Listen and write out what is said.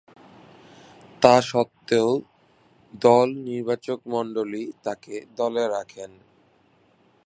তাস্বত্ত্বেও দল নির্বাচকমণ্ডলী তাকে দলে রাখেন।